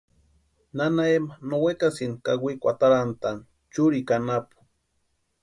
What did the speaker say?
Nana Ema no wekasïnti kawikwa atarantʼani churikwa anapu.